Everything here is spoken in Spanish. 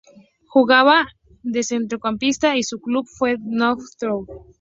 Jugaba de centrocampista y su primer club fue el Notts County.